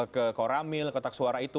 ke koramil kotak suara itu